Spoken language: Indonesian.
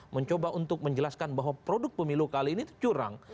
mencoba untuk menjelaskan bahwa produk pemilu kali ini itu curang